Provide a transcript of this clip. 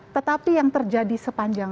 tetapi yang terjadi sepanjang